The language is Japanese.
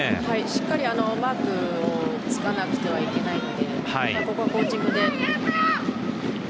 しっかりマークをつかなくてはいけないので、コーチングで。